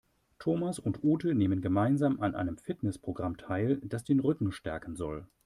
Thomas und Ute nehmen gemeinsam an einem Fitnessprogramm teil, das den Rücken stärken soll.